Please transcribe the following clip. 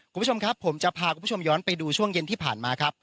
คุณผู้ชมครับผมจะพาคุณผู้ชมย้อนไปดูช่วงเย็นที่ผ่านมาครับ